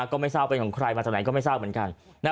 ก็ไม่ทราบเป็นของใครมาจากไหนก็ไม่ทราบเหมือนกัน